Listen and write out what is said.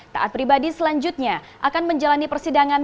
taat pribadi selanjutnya akan menjalani persidangan